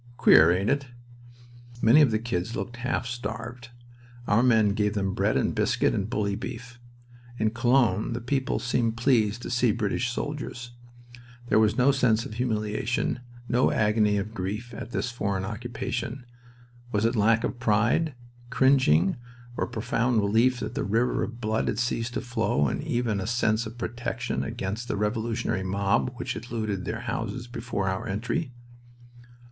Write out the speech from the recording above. Queer, ain't it?" Many of the "kids" looked half starved. Our men gave them bread and biscuit and bully beef. In Cologne the people seemed pleased to see British soldiers. There was no sense of humiliation. No agony of grief at this foreign occupation. Was it lack of pride, cringing or a profound relief that the river of blood had ceased to flow and even a sense of protection against the revolutionary mob which had looted their houses before our entry?